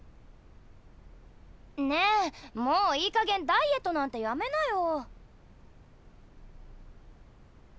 ねえもういいかげんダイエットなんてやめなよ。